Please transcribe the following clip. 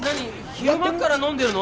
昼間っから飲んでるの？